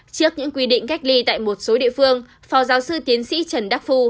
trước những quy định cách ly tại một số địa phương phó giáo sư tiến sĩ trần đắc phu